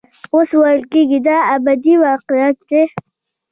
اوس ویل کېږي دا ابدي واقعیت دی.